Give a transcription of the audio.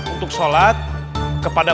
untuk sholat kepada